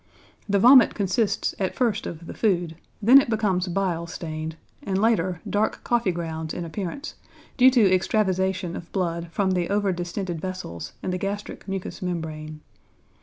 The vomit consists at first of the food, then it becomes bile stained, and later dark coffee grounds in appearance, due to extravasation of blood from the over distended vessels in the gastric mucous membrane.